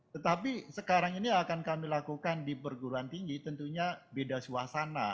tetapi sekarang ini akan kami lakukan di perguruan tinggi tentunya beda suasana